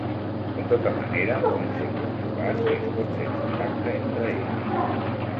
De tota manera, poden ser controlats, i es pot fer contacte entre ells.